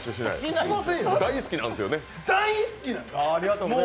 大好きなんですよね？